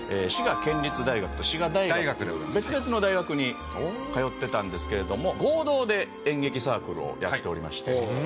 滋賀県立大学と滋賀大学という別々の大学に通ってたんですけれども合同で演劇サークルをやっておりまして。